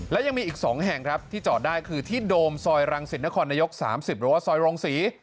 และยังมีอีก๒แห่งครับที่จอดได้คือที่โดมซอยรังสิตนครนายก๓๐หรือว่าซอยโรงศรี